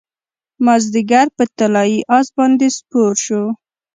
مازدیګر په طلايي اس باندې سپور شو